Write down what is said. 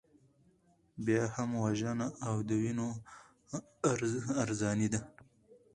بیا هم وژنه او د وینو ارزاني ده.